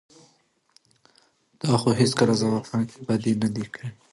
تا خو هېڅکله زما په حق کې بدي نه ده کړى.